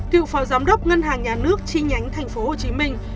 cựu phó giám đốc ngân hàng nhà nước chi nhánh thành phố hồ chí minh